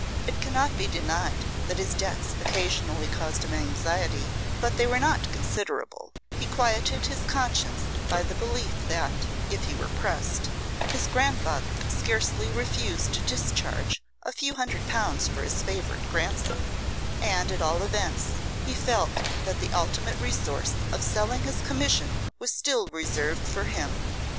It cannot be denied that his debts occasionally caused him anxiety, but they were not considerable; he quieted his conscience by the belief that, if he were pressed, his grandfather could scarcely refuse to discharge a few hundred pounds for his favourite grandson; and, at all events, he felt that the ultimate resource of selling his commission was still reserved for him.